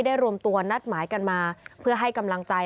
รวมตัวนัดหมายกันมาเพื่อให้กำลังใจ